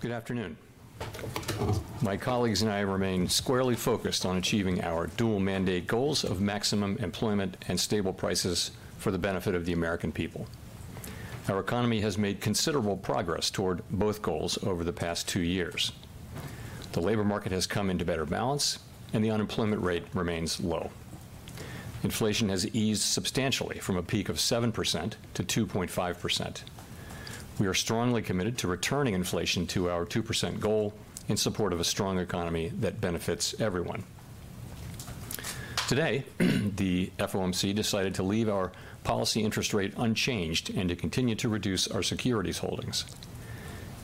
Good afternoon. My colleagues and I remain squarely focused on achieving our dual mandate goals of maximum employment and stable prices for the benefit of the American people. Our economy has made considerable progress toward both goals over the past two years. The labor market has come into better balance, and the unemployment rate remains low. Inflation has eased substantially from a peak of 7% to 2.5%. We are strongly committed to returning inflation to our 2% goal in support of a strong economy that benefits everyone. Today, the FOMC decided to leave our policy interest rate unchanged and to continue to reduce our securities holdings.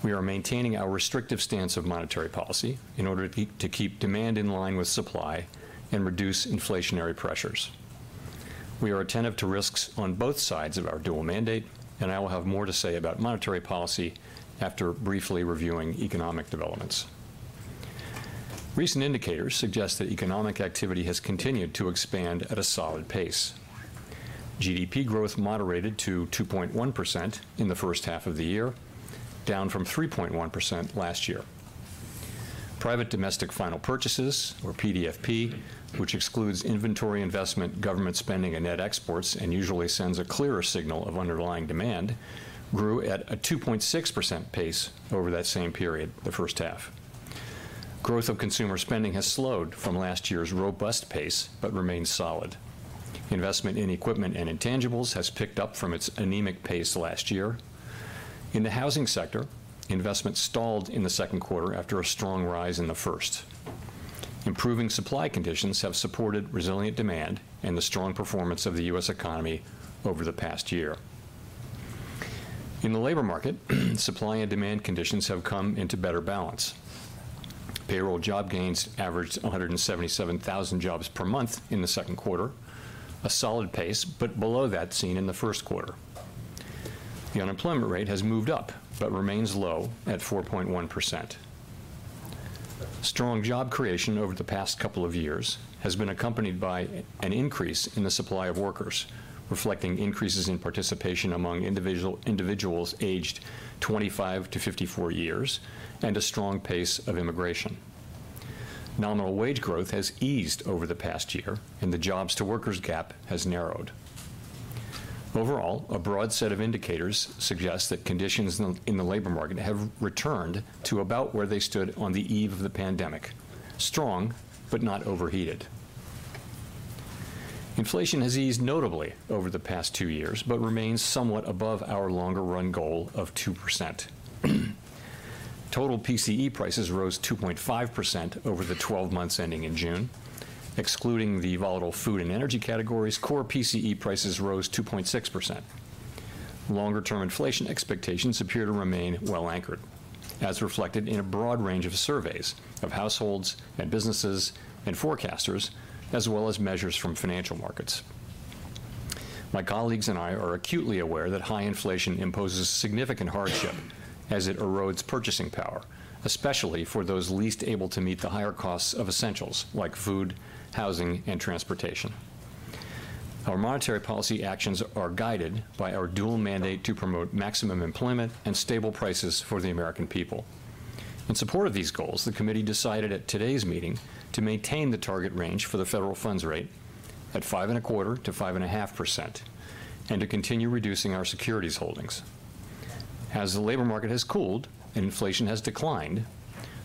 We are maintaining our restrictive stance of monetary policy in order to keep demand in line with supply and reduce inflationary pressures. We are attentive to risks on both sides of our dual mandate, and I will have more to say about monetary policy after briefly reviewing economic developments. Recent indicators suggest that economic activity has continued to expand at a solid pace. GDP growth moderated to 2.1% in the first half of the year, down from 3.1% last year. Private domestic final purchases, or PDFP, which excludes inventory investment, government spending, and net exports, and usually sends a clearer signal of underlying demand, grew at a 2.6% pace over that same period, the first half. Growth of consumer spending has slowed from last year's robust pace but remains solid. Investment in equipment and intangibles has picked up from its anemic pace last year. In the housing sector, investment stalled in the second quarter after a strong rise in the first. Improving supply conditions have supported resilient demand and the strong performance of the U.S. economy over the past year. In the labor market, supply and demand conditions have come into better balance. Payroll job gains averaged 177,000 jobs per month in the second quarter, a solid pace, but below that seen in the first quarter. The unemployment rate has moved up, but remains low at 4.1%. Strong job creation over the past couple of years has been accompanied by an increase in the supply of workers, reflecting increases in participation among individuals aged 25 to 54 years and a strong pace of immigration. Nominal wage growth has eased over the past year, and the jobs-to-workers gap has narrowed. Overall, a broad set of indicators suggest that conditions in the labor market have returned to about where they stood on the eve of the pandemic: strong but not overheated. Inflation has eased notably over the past 2 years, but remains somewhat above our longer run goal of 2%. Total PCE prices rose 2.5% over the 12 months ending in June. Excluding the volatile food and energy categories, core PCE prices rose 2.6%. Longer-term inflation expectations appear to remain well anchored, as reflected in a broad range of surveys of households and businesses and forecasters, as well as measures from financial markets. My colleagues and I are acutely aware that high inflation imposes significant hardship as it erodes purchasing power, especially for those least able to meet the higher costs of essentials like food, housing, and transportation. Our monetary policy actions are guided by our dual mandate to promote maximum employment and stable prices for the American people. In support of these goals, the Committee decided at today's meeting to maintain the target range for the federal funds rate at 5.25%-5.5%, and to continue reducing our securities holdings. As the labor market has cooled and inflation has declined,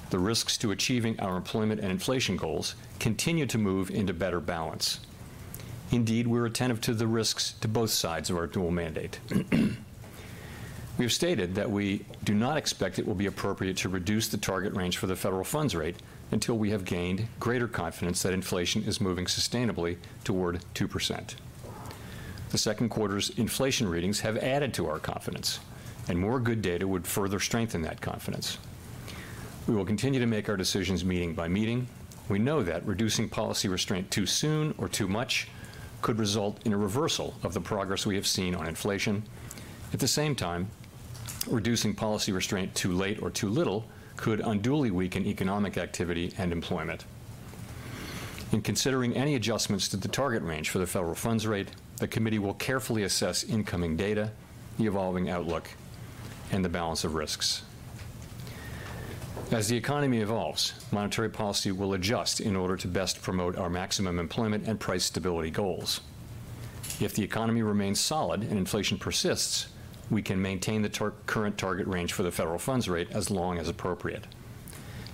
the risks to achieving our employment and inflation goals continue to move into better balance. Indeed, we're attentive to the risks to both sides of our dual mandate. We have stated that we do not expect it will be appropriate to reduce the target range for the federal funds rate until we have gained greater confidence that inflation is moving sustainably toward 2%. The second quarter's inflation readings have added to our confidence, and more good data would further strengthen that confidence. We will continue to make our decisions meeting by meeting. We know that reducing policy restraint too soon or too much could result in a reversal of the progress we have seen on inflation. At the same time, reducing policy restraint too late or too little could unduly weaken economic activity and employment. In considering any adjustments to the target range for the federal funds rate, the Committee will carefully assess incoming data, the evolving outlook, and the balance of risks. As the economy evolves, monetary policy will adjust in order to best promote our maximum employment and price stability goals. If the economy remains solid and inflation persists, we can maintain the current target range for the federal funds rate as long as appropriate.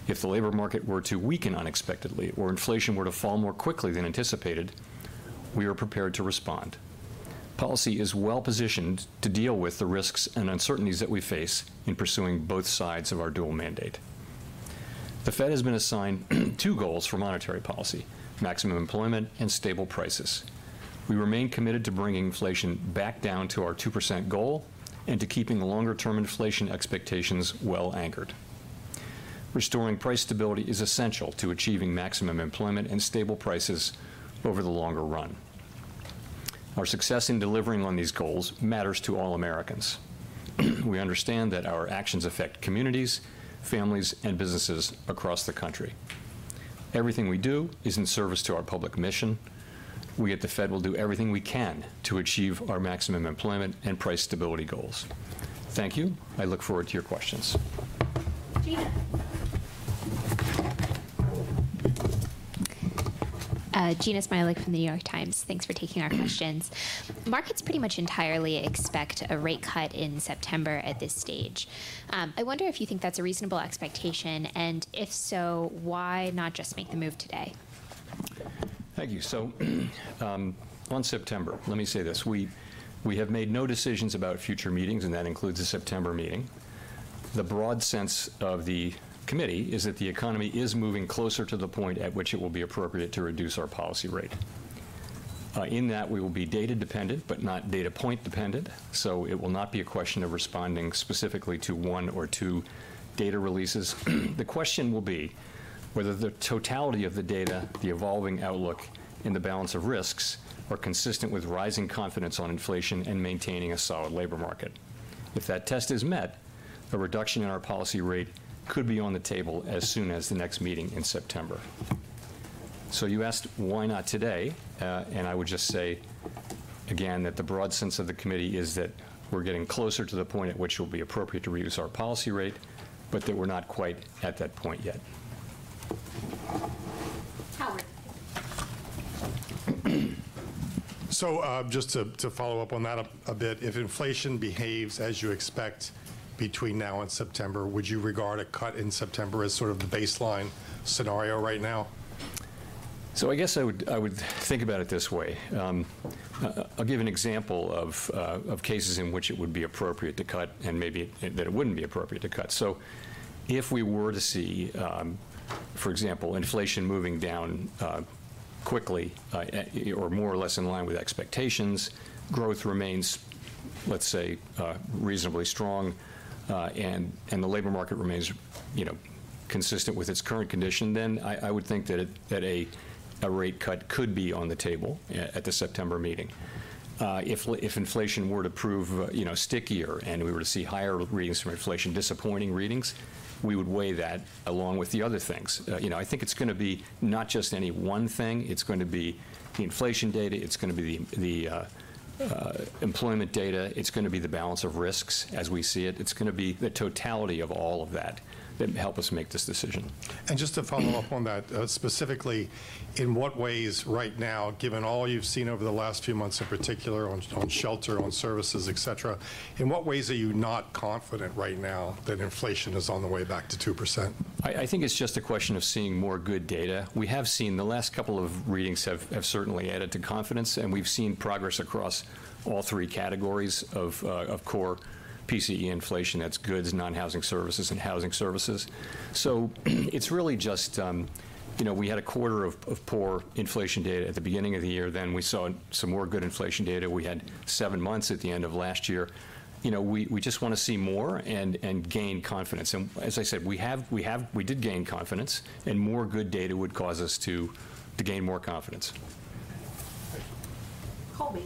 If the labor market were to weaken unexpectedly or inflation were to fall more quickly than anticipated, we are prepared to respond. Policy is well positioned to deal with the risks and uncertainties that we face in pursuing both sides of our dual mandate. The Fed has been assigned two goals for monetary policy: maximum employment and stable prices. We remain committed to bringing inflation back down to our 2% goal and to keeping the longer-term inflation expectations well anchored. Restoring price stability is essential to achieving maximum employment and stable prices over the longer run. Our success in delivering on these goals matters to all Americans. We understand that our actions affect communities, families, and businesses across the country. Everything we do is in service to our public mission. We at the Fed will do everything we can to achieve our maximum employment and price stability goals. Thank you. I look forward to your questions. Jeanna. Jeanna Smialek from the New York Times. Thanks for taking our questions. Markets pretty much entirely expect a rate cut in September at this stage. I wonder if you think that's a reasonable expectation, and if so, why not just make the move today? Thank you. So, on September, let me say this: we have made no decisions about future meetings, and that includes the September meeting. The broad sense of the Committee is that the economy is moving closer to the point at which it will be appropriate to reduce our policy rate. In that, we will be data-dependent, but not data-point dependent. So it will not be a question of responding specifically to one or two data releases. The question will be whether the totality of the data, the evolving outlook and the balance of risks, are consistent with rising confidence on inflation and maintaining a solid labor market. If that test is met, a reduction in our policy rate could be on the table as soon as the next meeting in September. So you asked, why not today? I would just say, again, that the broad sense of the Committee is that we're getting closer to the point at which it will be appropriate to reduce our policy rate, but that we're not quite at that point yet. Howard. To follow up on that a bit, if inflation behaves as you expect between now and September, would you regard a cut in September as sort of the baseline scenario right now? So I guess I would think about it this way. I'll give an example of cases in which it would be appropriate to cut and maybe that it wouldn't be appropriate to cut. So if we were to see, for example, inflation moving down quickly or more or less in line with expectations, growth remains, let's say, reasonably strong, and the labor market remains consistent with its current condition, then I would think that a rate cut could be on the table at the September meeting. If inflation were to prove stickier, and we were to see higher readings from inflation, disappointing readings, we would weigh that along with the other things. It's gonna be not just any one thing, it's going to be the inflation data, it's gonna be the employment data, it's gonna be the balance of risks as we see it. It's gonna be the totality of all of that that helps us make this decision. Just to follow up on that, specifically, in what ways right now, given all you've seen over the last few months, in particular on, on shelter, on services, et cetera, in what ways are you not confident right now that inflation is on the way back to 2%? It's just a question of seeing more good data. We have seen the last couple of readings have certainly added to confidence, and we've seen progress across all three categories of core PCE inflation. That's goods, non-housing services, and housing services. So it's really just we had a quarter of poor inflation data at the beginning of the year, then we saw some more good inflation data. We had seven months at the end of last year. We just wanna see more and gain confidence. And as I said, we did gain confidence, and more good data would cause us to gain more confidence. Colby.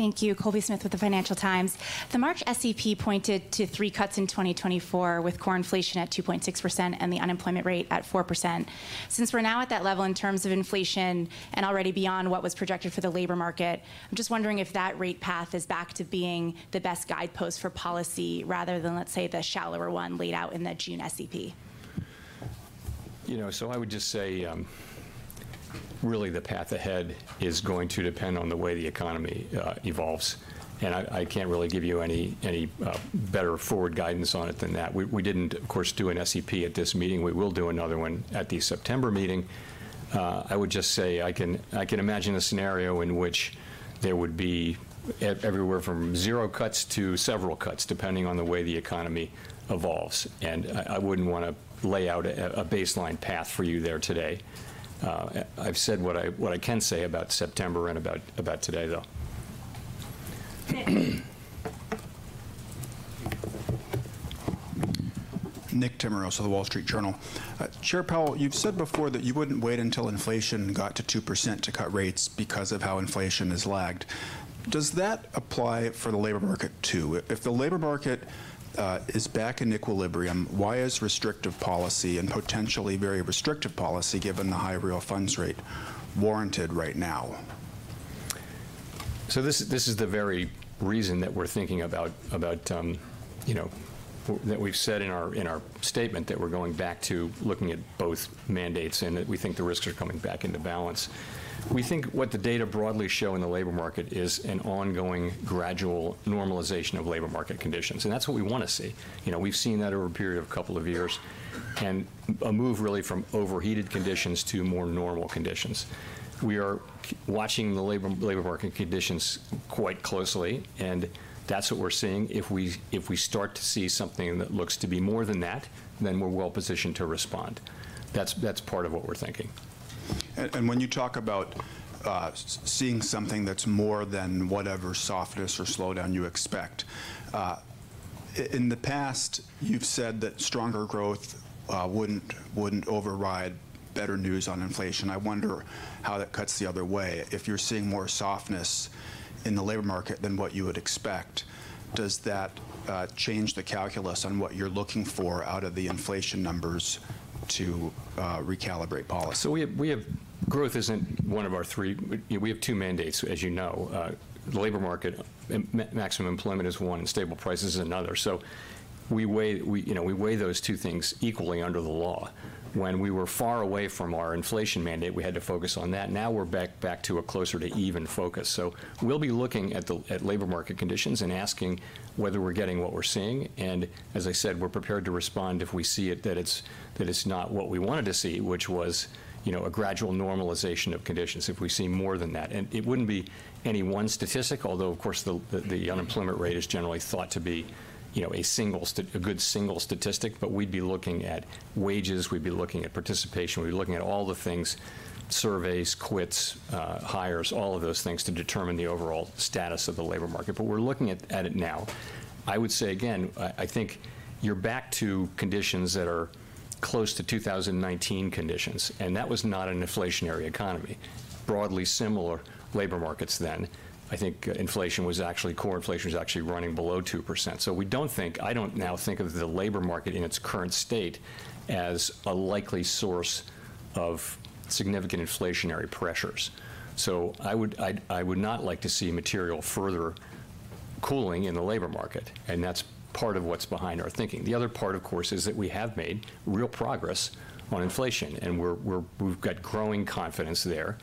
Thank you. Colby Smith with The Financial Times. The March SEP pointed to three cuts in 2024, with core inflation at 2.6% and the unemployment rate at 4%. Since we're now at that level in terms of inflation and already beyond what was projected for the labor market, I'm just wondering if that rate path is back to being the best guidepost for policy, rather than, let's say, the shallower one laid out in the June SEP? The path ahead is going to depend on the way the economy evolves. I can't really give you any, any, better forward guidance on it than that. We, we didn't, of course, do an SEP at this meeting. We will do another one at the September meeting. I would just say I can, I can imagine a scenario in which there would be everywhere from zero cuts to several cuts, depending on the way the economy evolves. I wouldn't wanna lay out a, a baseline path for you there today. I've said what I, what I can say about September and about, about today, though. Nick. Nick Timiraos of The Wall Street Journal. Chair Powell, you've said before that you wouldn't wait until inflation got to 2% to cut rates because of how inflation has lagged. Does that apply for the labor market, too? If the labor market is back in equilibrium, why is restrictive policy and potentially very restrictive policy, given the high real funds rate, warranted right now? So this is the very reason that we're thinking about that we've said in our statement, that we're going back to looking at both mandates, and that we think the risks are coming back into balance. We think what the data broadly show in the labor market is an ongoing, gradual normalization of labor market conditions, and that's what we wanna see. We've seen that over a period of a couple of years, and a move really from overheated conditions to more normal conditions. We are watching the labor market conditions quite closely, and that's what we're seeing. If we start to see something that looks to be more than that, then we're well positioned to respond. That's part of what we're thinking. When you talk about seeing something that's more than whatever softness or slowdown you expect, in the past, you've said that stronger growth wouldn't override better news on inflation. I wonder how that cuts the other way. If you're seeing more softness in the labor market than what you would expect, does that change the calculus on what you're looking for out of the inflation numbers to recalibrate policy? We have two mandates. The labor market and maximum employment is one, and stable prices is another. We weigh those two things equally under the law. When we were far away from our inflation mandate, we had to focus on that. Now we're back to a closer to even focus. We'll be looking at labor market conditions and asking whether we're getting what we're seeing. As I said, we're prepared to respond if we see that it's not what we wanted to see, which was a gradual normalization of conditions, if we see more than that. It wouldn't be any one statistic, although, of course, the unemployment rate is generally thought to be a good single statistic. But we'd be looking at wages, we'd be looking at participation, we'd be looking at all the things, surveys, quits, hires, all of those things to determine the overall status of the labor market. But we're looking at it now. I would say again, You're back to conditions that are close to 2019 conditions, and that was not an inflationary economy. Broadly similar labor markets then. Inflation was actually core inflation was actually running below 2%. So we don't think, I don't now think of the labor market in its current state as a likely source of significant inflationary pressures. I would not like to see material further cooling in the labor market, and that's part of what's behind our thinking. The other part, of course, is that we have made real progress on inflation, and we've got growing confidence there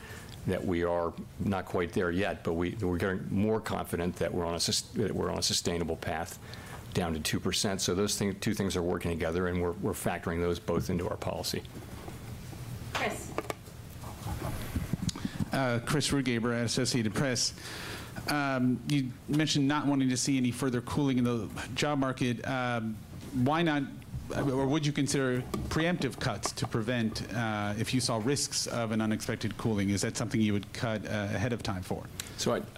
that we are not quite there yet, but we're getting more confident that we're on a sustainable path down to 2%. So those two things are working together, and we're factoring those both into our policy. Chris. Chris Rugaber, Associated Press. You mentioned not wanting to see any further cooling in the job market. Why not, or would you consider preemptive cuts to prevent if you saw risks of an unexpected cooling? Is that something you would cut ahead of time for?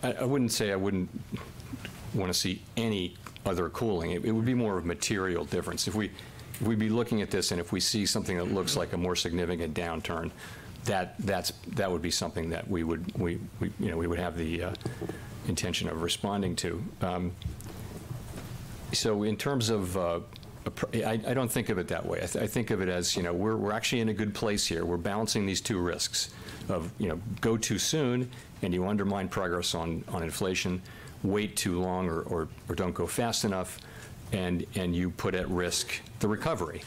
I wouldn't say I wouldn't want to see any other cooling. It would be more of material difference. If we'd be looking at this, and if we see something that looks like a more significant downturn, that's that would be something that we would have the intention of responding to. So in terms of, I don't think of it that way. I think of it as we're actually in a good place here. We're balancing these two risks of go too soon, and you undermine progress on inflation, wait too long or don't go fast enough, and you put at risk the recovery.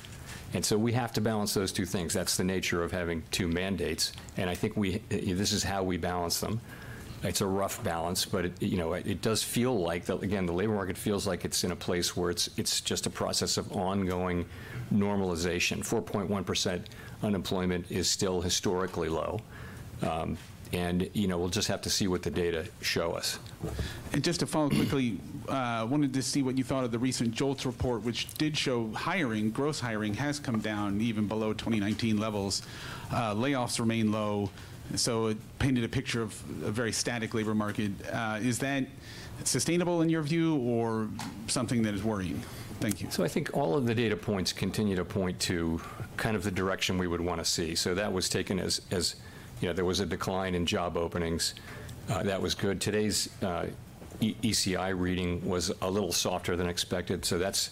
And so we have to balance those two things. That's the nature of having two mandates, and We this is how we balance them. It's a rough balance, but does feel like, the, again, the labor market feels like it's in a place where it's, it's just a process of ongoing normalization. 4.1% unemployment is still historically low. We'll just have to see what the data show us. Just to follow quickly, wanted to see what you thought of the recent JOLTS report, which did show hiring, gross hiring, has come down even below 2019 levels. Layoffs remain low, so it painted a picture of a very static labor market. Is that sustainable in your view or something that is worrying? Thank you. All of the data points continue to point to kind of the direction we would want to see. So that was taken as there was a decline in job openings. That was good. Today's ECI reading was a little softer than expected, so that's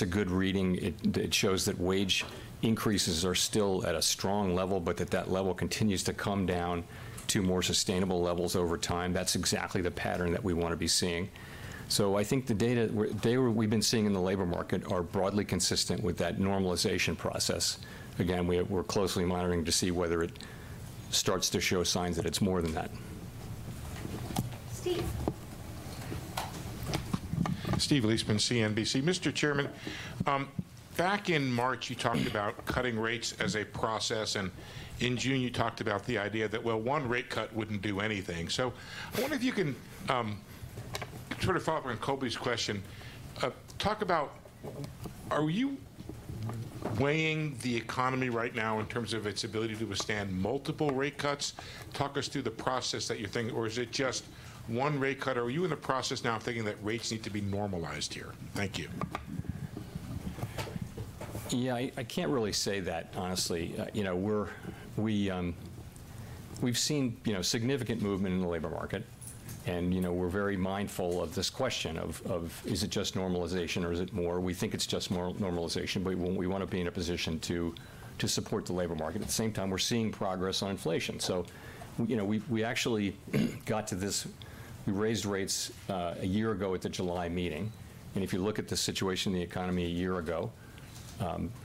a good reading. It shows that wage increases are still at a strong level, but that level continues to come down to more sustainable levels over time. That's exactly the pattern that we want to be seeing. The data we've been seeing in the labor market are broadly consistent with that normalization process. Again, we're closely monitoring to see whether it starts to show signs that it's more than that. Steve. Steve Liesman, CNBC. Mr. Chairman, back in March, you talked about cutting rates as a process, and in June, you talked about the idea that, well, one rate cut wouldn't do anything. So I wonder if you can sort of follow up on Colby's question. Talk about, are you weighing the economy right now in terms of its ability to withstand multiple rate cuts? Talk us through the process that you're thinking, or is it just one rate cut? Are you in the process now of thinking that rates need to be normalized here? Thank you. I can't really say that, honestly. We've seen significant movement in the labor market, and we're very mindful of this question of is it just normalization or is it more? We think it's just normalization, but we want to be in a position to support the labor market. At the same time, we're seeing progress on inflation. We actually got to this... We raised rates a year ago at the July meeting, and if you look at the situation in the economy a year ago,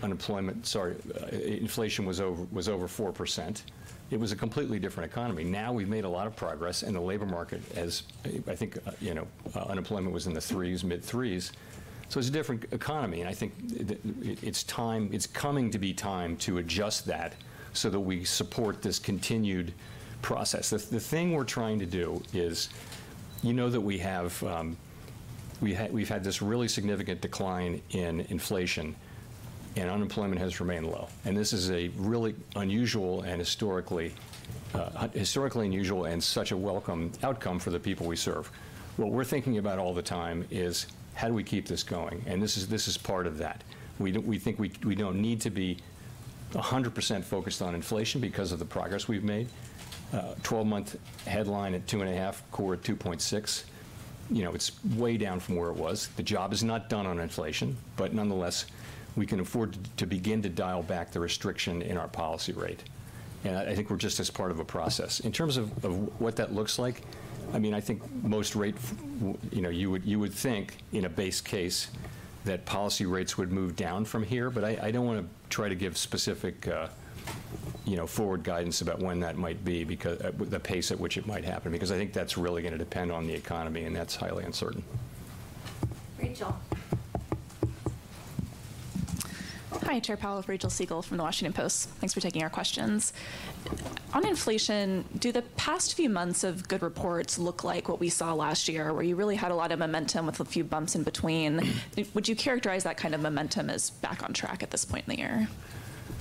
unemployment, sorry, inflation was over, was over 4%. It was a completely different economy. Now, we've made a lot of progress, and the labor market as unemployment was in the 3s, mid-3s. It's a different economy, and it's time, it's coming to be time to adjust that so that we support this continued process. The thing we're trying to do is that we have, we've had this really significant decline in inflation, and unemployment has remained low, and this is a really unusual and historically unusual and such a welcome outcome for the people we serve. What we're thinking about all the time is: How do we keep this going? And this is, this is part of that. We think we, we don't need to be 100% focused on inflation because of the progress we've made. Twelve-month headline at 2.5, core at 2.6, it's way down from where it was. The job is not done on inflation, but nonetheless, we can afford to begin to dial back the restriction in our policy rate. We're just a part of a process. In terms of what that looks like, you would think in a base case, that policy rates would move down from here. But I don't wanna try to give specific forward guidance about when that might be, because the pace at which it might happen, because that's really gonna depend on the economy, and that's highly uncertain. Rachel. Hi, Chair Powell. Rachel Siegel from The Washington Post. Thanks for taking our questions. On inflation, do the past few months of good reports look like what we saw last year, where you really had a lot of momentum with a few bumps in between? Would you characterize that kind of momentum as back on track at this point in the year?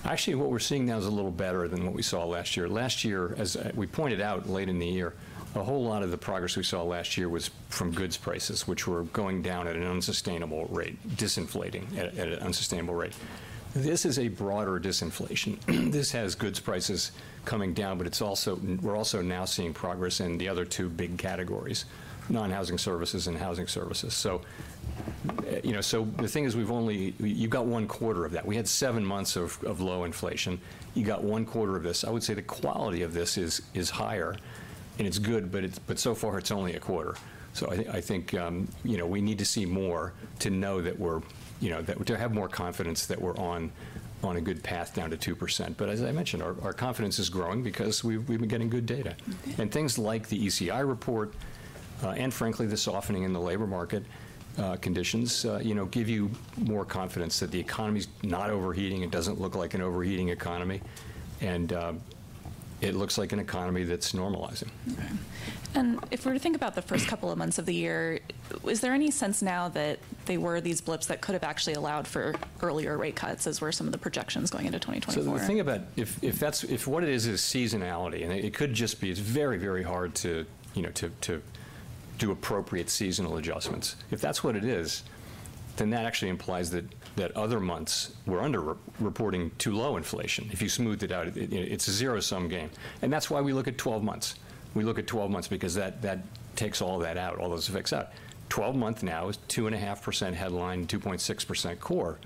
Actually, what we're seeing now is a little better than what we saw last year. Last year, as we pointed out late in the year, a whole lot of the progress we saw last year was from goods prices, which were going down at an unsustainable rate, disinflating at an unsustainable rate. This is a broader disinflation. This has goods prices coming down, but it's also, we're also now seeing progress in the other two big categories: non-housing services and housing services. The thing is, we've only, you've got one quarter of that. We had seven months of low inflation. You got one quarter of this. I would say the quality of this is higher, and it's good, but it's, but so far, it's only a quarter. We need to see more to know that we're, to have more confidence that we're on a good path down to 2%. But as I mentioned, our confidence is growing because we've been getting good data. And things like the ECI report, and frankly, the softening in the labor market conditions, give you more confidence that the economy's not overheating. It doesn't look like an overheating economy, and it looks like an economy that's normalizing. If we're to think about the first couple of months of the year, is there any sense now that there were these blips that could have actually allowed for earlier rate cuts, as were some of the projections going into 2024? The thing about if what it is is seasonality, and it could just be. It's very, very hard to do appropriate seasonal adjustments. If that's what it is, then that actually implies that other months were underreporting too low inflation. If you smoothed it out, it's a zero-sum game. That's why we look at 12 months. We look at 12 months because that takes all that out, all those effects out. 12-month now is 2.5% headline, 2.6% core.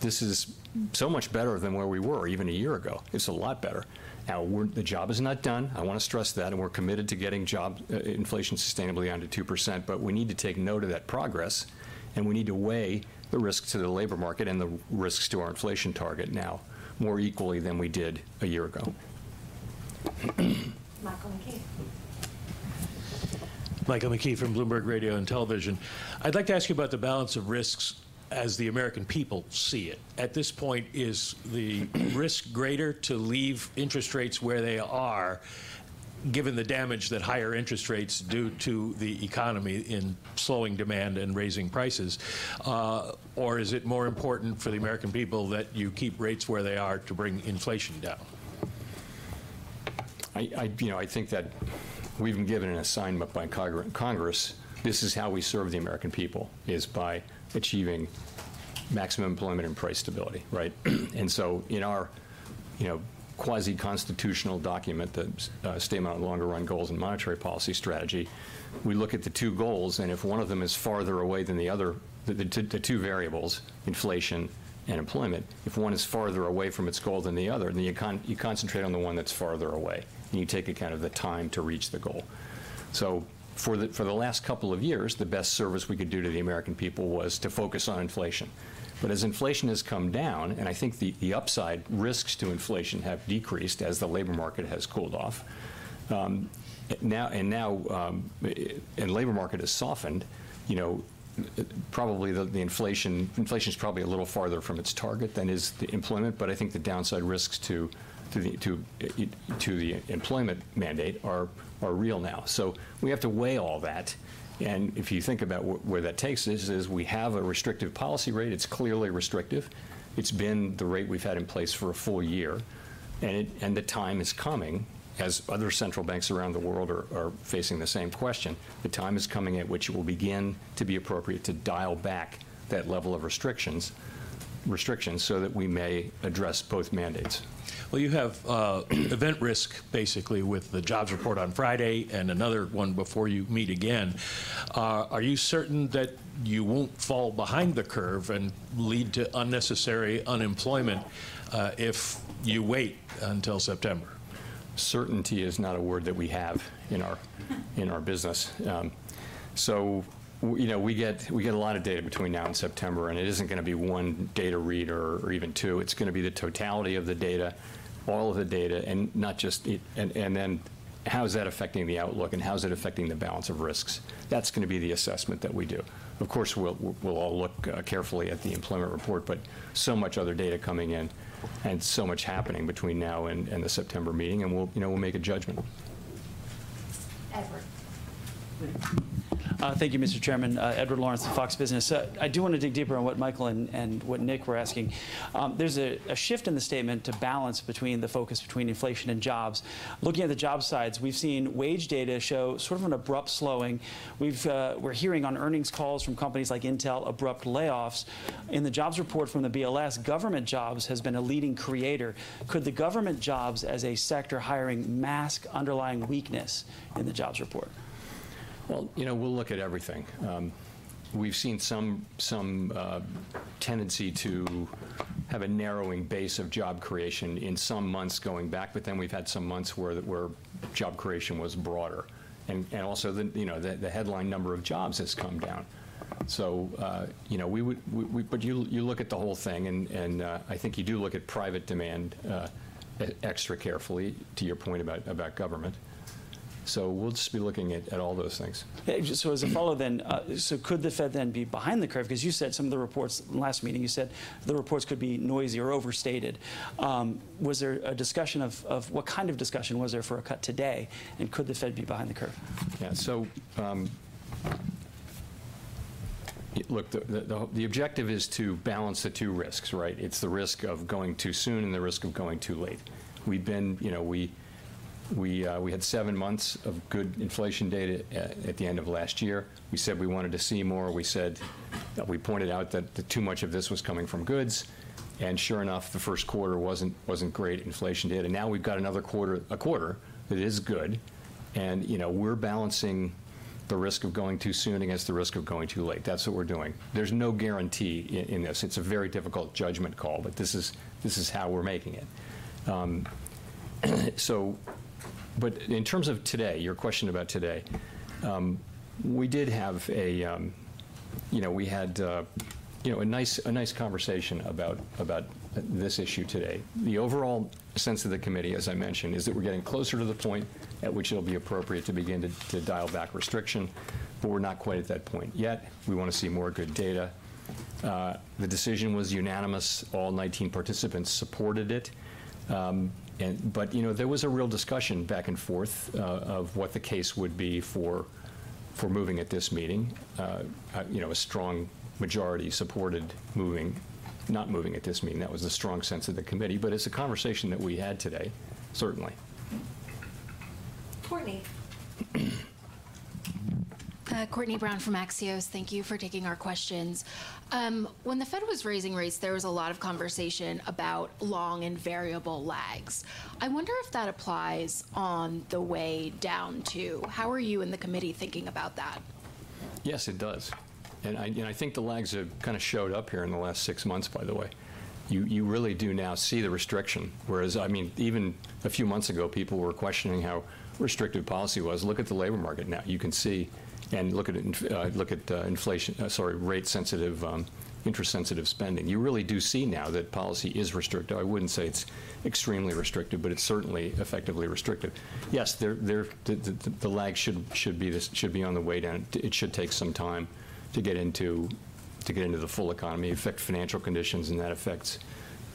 This is so much better than where we were even a year ago. It's a lot better. Now, the job is not done, I wanna stress that, and we're committed to getting inflation sustainably under 2%. We need to take note of that progress, and we need to weigh the risks to the labor market and the risks to our inflation target now, more equally than we did a year ago. Michael McKee. Michael McKee from Bloomberg Radio and Television. I'd like to ask you about the balance of risks as the American people see it. At this point, is the risk greater to leave interest rates where they are, given the damage that higher interest rates do to the economy in slowing demand and raising prices? Or is it more important for the American people that you keep rates where they are to bring inflation down? We've been given an assignment by Congress. This is how we serve the American people, is by achieving maximum employment and price stability, right? And so in our, quasi-constitutional document, the statement on longer-run goals and monetary policy strategy, we look at the two goals, and if one of them is farther away than the other... The two variables, inflation and employment, if one is farther away from its goal than the other, then you concentrate on the one that's farther away, and you take account of the time to reach the goal. So for the last couple of years, the best service we could do to the American people was to focus on inflation. But as inflation has come down, and the upside risks to inflation have decreased as the labor market has cooled off, now the labor market has softened, probably the inflation is probably a little farther from its target than is the employment. The downside risks to the employment mandate are real now. So we have to weigh all that, and if you think about where that takes us, is we have a restrictive policy rate. It's clearly restrictive. It's been the rate we've had in place for a full year, and the time is coming, as other central banks around the world are facing the same question. The time is coming at which it will begin to be appropriate to dial back that level of restrictions so that we may address both mandates. Well, you have event risk, basically, with the jobs report on Friday and another one before you meet again. Are you certain that you won't fall behind the curve and lead to unnecessary unemployment, if you wait until September? Certainty is not a word that we have in our, in our business. We get a lot of data between now and September, and it isn't gonna be one data read or, or even two. It's gonna be the totality of the data, all of the data, and not just the... And, and then how is that affecting the outlook, and how is it affecting the balance of risks? That's gonna be the assessment that we do. Of course, we'll look carefully at the employment report, but so much other data coming in and so much happening between now and, and the September meeting, and we'll make a judgment. Edward. Thank you, Mr. Chairman. Edward Lawrence from FOX Business. I do wanna dig deeper on what Michael and what Nick were asking. There's a shift in the statement to balance between the focus between inflation and jobs. Looking at the jobs side, we've seen wage data show sort of an abrupt slowing. We're hearing on earnings calls from companies like Intel, abrupt layoffs. In the jobs report from the BLS, government jobs has been a leading creator. Could the government jobs as a sector hiring mask underlying weakness in the jobs report? We'll look at everything. We've seen some tendency to have a narrowing base of job creation in some months going back, but then we've had some months where job creation was broader. Also the headline number of jobs has come down. We would but you look at the whole thing, and you do look at private demand extra carefully, to your point about government. We'll just be looking at all those things. So, as a follow-up then, so could the Fed then be behind the curve? 'Cause you said some of the reports, in the last meeting, you said the reports could be noisy or overstated. Was there a discussion of what kind of discussion was there for a cut today, and could the Fed be behind the curve? The objective is to balance the two risks, right? It's the risk of going too soon and the risk of going too late. We've had seven months of good inflation data at the end of last year. We said we wanted to see more. We said that we pointed out that too much of this was coming from goods, and sure enough, the first quarter wasn't great inflation data. And now we've got another quarter, a quarter that is good, and we're balancing the risk of going too soon against the risk of going too late. That's what we're doing. There's no guarantee in this. It's a very difficult judgment call, but this is how we're making it. In terms of today, your question about today, we had a nice conversation about, about this issue today. The overall sense of the Committee, as I mentioned, is that we're getting closer to the point at which it'll be appropriate to begin to, to dial back restriction, but we're not quite at that point yet. We want to see more good data. The decision was unanimous. All 19 participants supported it. There was a real discussion back and forth, of what the case would be for, for moving at this meeting. A strong majority supported moving, not moving at this meeting. That was the strong sense of the Committee, but it's a conversation that we had today, certainly. Courtenay. Courtenay Brown from Axios. Thank you for taking our questions. When the Fed was raising rates, there was a lot of conversation about long and variable lags. I wonder if that applies on the way down, too. How are you and the Committee thinking about that? Yes, it does. The lags have kind of showed up here in the last six months, by the way. You really do now see the restriction, whereas, even a few months ago, people were questioning how restrictive policy was. Look at the labor market now. You can see and look at it in, look at, inflation, sorry, rate-sensitive, interest-sensitive spending. You really do see now that policy is restrictive. I wouldn't say it's extremely restrictive, but it's certainly effectively restrictive. Yes, the lag should be on the way down. It should take some time to get into the full economy, affect financial conditions, and that affects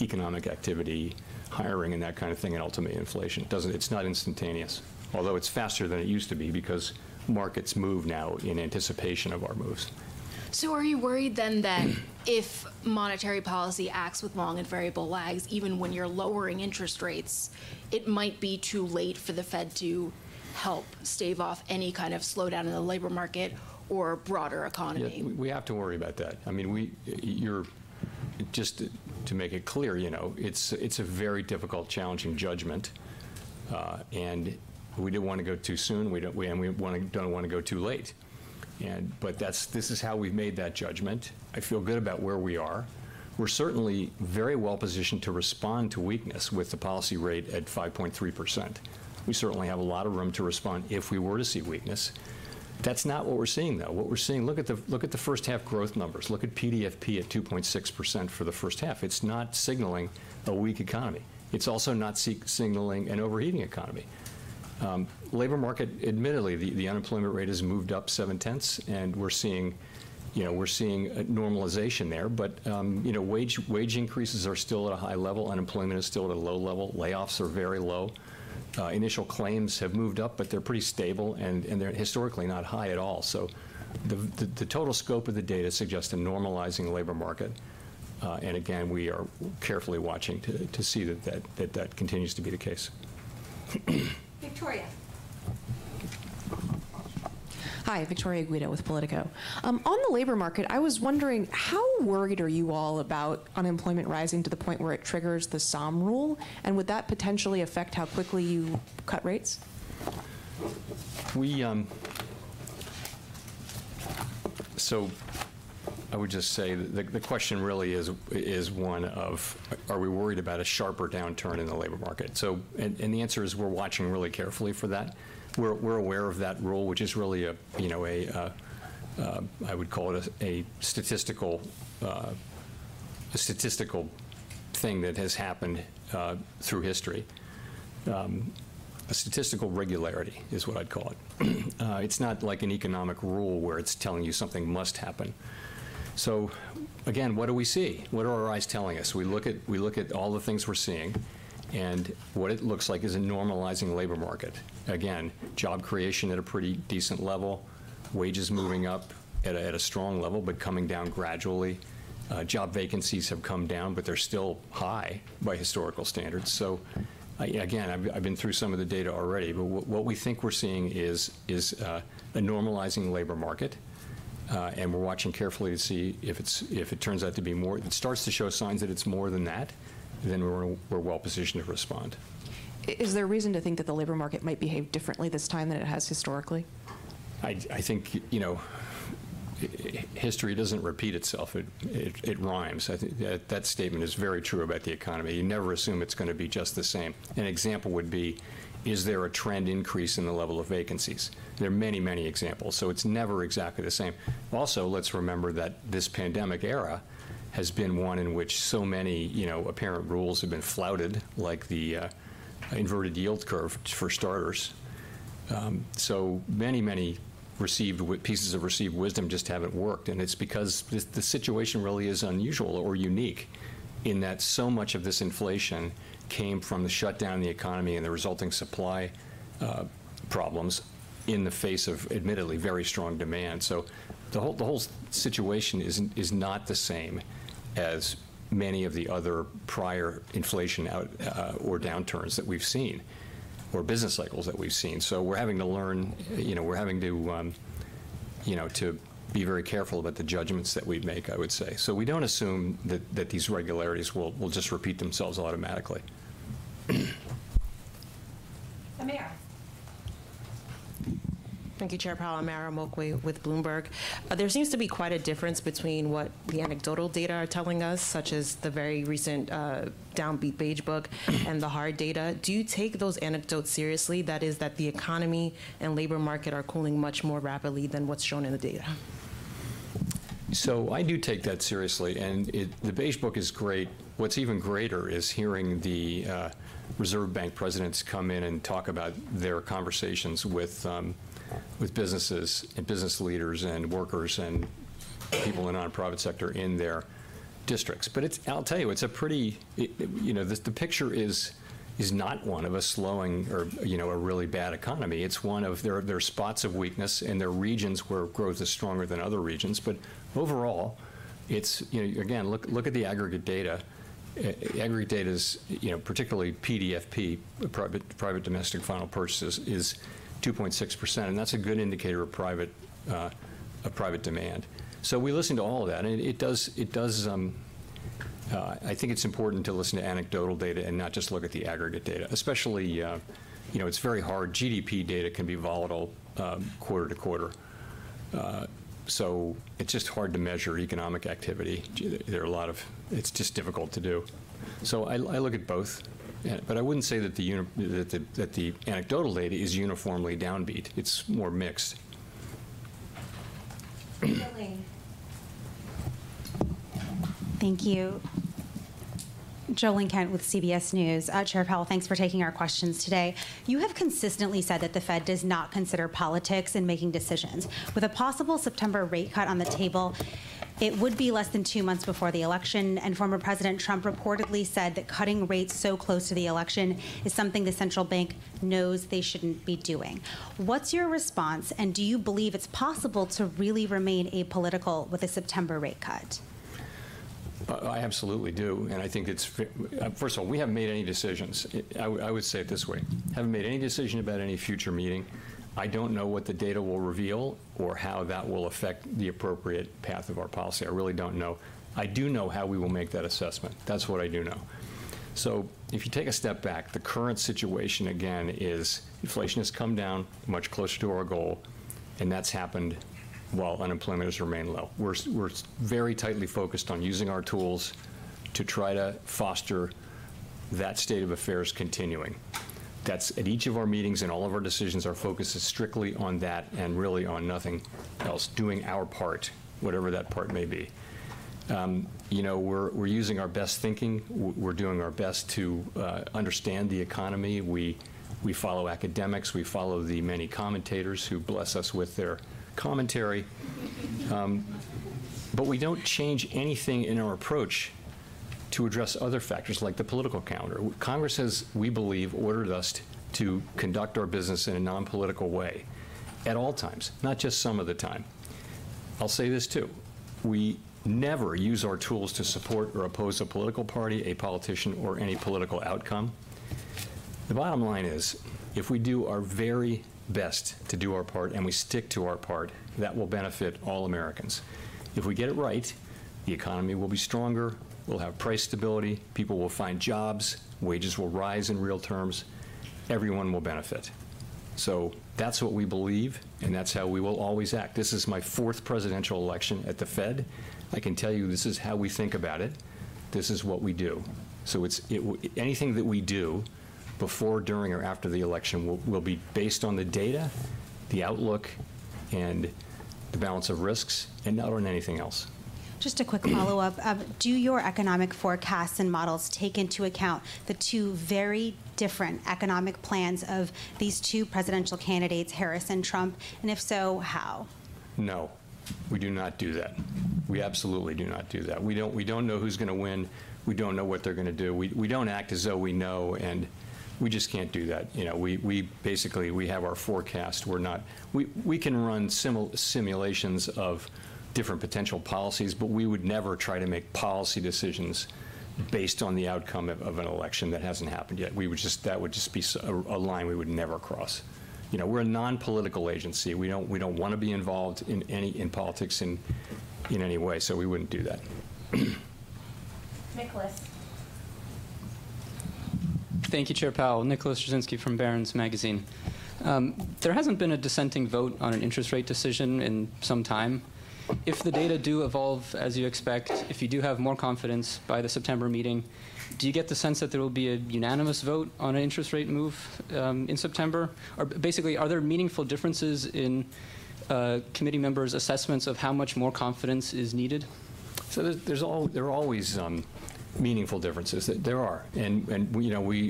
economic activity, hiring, and that kind of thing, and ultimately inflation. It's not instantaneous, although it's faster than it used to be because markets move now in anticipation of our moves. Are you worried then that if monetary policy acts with long and variable lags, even when you're lowering interest rates, it might be too late for the Fed to help stave off any kind of slowdown in the labor market or broader economy? We have to worry about that. To make it clear, it's a very difficult, challenging judgment, and we didn't want to go too soon, and we don't want to go too late. But that's how we've made that judgment. I feel good about where we are. We're certainly very well positioned to respond to weakness with the policy rate at 5.3%. We certainly have a lot of room to respond if we were to see weakness. That's not what we're seeing, though. What we're seeing, look at the first half growth numbers. Look at PDFP at 2.6% for the first half. It's not signaling a weak economy. It's also not signaling an overheating economy. Labor market, admittedly, the unemployment rate has moved up 0.7, and we're seeing, we're seeing a normalization there. Wage increases are still at a high level. Unemployment is still at a low level. Layoffs are very low. Initial claims have moved up, but they're pretty stable, and they're historically not high at all. So the total scope of the data suggests a normalizing labor market, and again, we are carefully watching to see that that continues to be the case. Victoria. Hi, Victoria Guida with POLITICO. On the labor market, I was wondering, how worried are you all about unemployment rising to the point where it triggers the Sahm Rule? And would that potentially affect how quickly you cut rates? The question really is, are we worried about a sharper downturn in the labor market? So, the answer is we're watching really carefully for that. We're aware of that rule, I would call it a statistical thing that has happened through history. A statistical regularity is what I'd call it. It's not like an economic rule where it's telling you something must happen. So again, what do we see? What are our eyes telling us? We look at all the things we're seeing, and what it looks like is a normalizing labor market. Again, job creation at a pretty decent level, wages moving up at a strong level, but coming down gradually. Job vacancies have come down, but they're still high by historical standards. So again, I've been through some of the data already, but what we think we're seeing is a normalizing labor market. And we're watching carefully to see if it's if it turns out to be more - if it starts to show signs that it's more than that, then we're well positioned to respond. Is there a reason to think that the labor market might behave differently this time than it has historically? History doesn't repeat itself, it rhymes. That statement is very true about the economy. You never assume it's gonna be just the same. An example would be, is there a trend increase in the level of vacancies? There are many, many examples, so it's never exactly the same. Also, let's remember that this pandemic era has been one in which so many apparent rules have been flouted, like the inverted yield curve, for starters. So many, many pieces of received wisdom just haven't worked, and it's because the situation really is unusual or unique in that so much of this inflation came from the shutdown in the economy and the resulting supply problems in the face of admittedly very strong demand. The whole, the whole situation isn't, is not the same as many of the other prior inflation or downturns that we've seen, or business cycles that we've seen. So we're having to learn. We're having to be very careful about the judgments that we make, I would say. So we don't assume that, that these regularities will, will just repeat themselves automatically. Amara. Thank you, Chair Powell. Amara Omeokwe with Bloomberg. There seems to be quite a difference between what the anecdotal data are telling us, such as the very recent, downbeat Beige Book, and the hard data. Do you take those anecdotes seriously, that is, that the economy and labor market are cooling much more rapidly than what's shown in the data? I do take that seriously, and it, the Beige Book is great. What's even greater is hearing the Reserve Bank presidents come in and talk about their conversations with businesses and business leaders and workers and people in the nonprofit sector in their districts. But it's, I'll tell you, it's a pretty, the picture is not one of a slowing or, a really bad economy. It's one of there are spots of weakness and there are regions where growth is stronger than other regions, but overall, it's. Again, look at the aggregate data. Aggregate data is, particularly PDFP, private domestic final purchases, is 2.6%, and that's a good indicator of private of private demand. So we listen to all of that, and it does. It's important to listen to anecdotal data and not just look at the aggregate data, especially, it's very hard. GDP data can be volatile, quarter to quarter. So it's just hard to measure economic activity. It's just difficult to do. So I look at both, but I wouldn't say that the anecdotal data is uniformly downbeat. It's more mixed. Jo Ling. Thank you. Jo Ling Kent with CBS News. Chair Powell, thanks for taking our questions today. You have consistently said that the Fed does not consider politics in making decisions. With a possible September rate cut on the table, it would be less than two months before the election, and former President Trump reportedly said that cutting rates so close to the election is something the central bank knows they shouldn't be doing. What's your response, and do you believe it's possible to really remain apolitical with a September rate cut? I absolutely do, and first of all, we haven't made any decisions. I would say it this way: Haven't made any decision about any future meeting. I don't know what the data will reveal or how that will affect the appropriate path of our policy. I really don't know. I do know how we will make that assessment. That's what I do know. So if you take a step back, the current situation, again, is inflation has come down much closer to our goal, and that's happened while unemployment has remained low. We're very tightly focused on using our tools to try to foster that state of affairs continuing. That's at each of our meetings and all of our decisions, our focus is strictly on that and really on nothing else, doing our part, whatever that part may be. We're using our best thinking. We're doing our best to understand the economy. We follow academics, we follow the many commentators who bless us with their commentary. But we don't change anything in our approach to address other factors, like the political calendar. Congress has, we believe, ordered us to conduct our business in a non-political way at all times, not just some of the time. I'll say this, too. We never use our tools to support or oppose a political party, a politician, or any political outcome. The bottom line is, if we do our very best to do our part and we stick to our part, that will benefit all Americans. If we get it right, the economy will be stronger, we'll have price stability, people will find jobs, wages will rise in real terms. Everyone will benefit. So that's what we believe, and that's how we will always act. This is my fourth presidential election at the Fed. I can tell you, this is how we think about it. This is what we do. So it's anything that we do before, during, or after the election will be based on the data, the outlook, and the balance of risks, and not on anything else. Just a quick follow-up. Do your economic forecasts and models take into account the two very different economic plans of these two presidential candidates, Harris and Trump? And if so, how? We do not do that. We absolutely do not do that. We don't, we don't know who's gonna win. We don't know what they're gonna do. We don't act as though we know, and we just can't do that. We basically have our forecast. We're not. We can run simulations of different potential policies, but we would never try to make policy decisions based on the outcome of an election that hasn't happened yet. That would just be a line we would never cross. We're a non-political agency. We don't, we don't wanna be involved in any politics in any way, so we wouldn't do that. Nicholas. Thank you, Chair Powell. Nicholas Jasinski from Barron's Magazine. There hasn't been a dissenting vote on an interest rate decision in some time. If the data do evolve as you expect, if you do have more confidence by the September meeting, do you get the sense that there will be a unanimous vote on an interest rate move, in September? Or basically, are there meaningful differences in, Committee members' assessments of how much more confidence is needed? There are always meaningful differences.